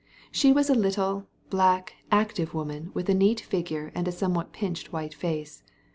She was a little/ black, active woman, with a neat figure and a somewhat pinched white face.